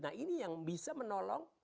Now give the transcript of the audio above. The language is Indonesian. nah ini yang bisa menolong